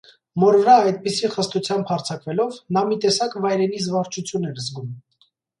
Մոր վրա այդպիսի խստությամբ հարձակվելով՝ նա մի տեսակ վայրենի զվարճություն էր զգում: